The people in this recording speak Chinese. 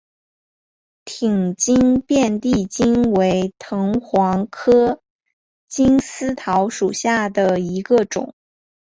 挺茎遍地金为藤黄科金丝桃属下的一个种。